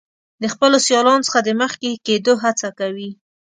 د خپلو سیالانو څخه د مخکې کیدو هڅه کوي.